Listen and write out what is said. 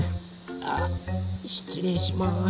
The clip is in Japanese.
しつれいします。